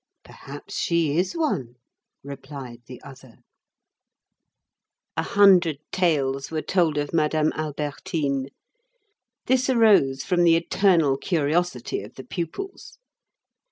"Perhaps she is one," replied the other. A hundred tales were told of Madame Albertine. This arose from the eternal curiosity of the pupils.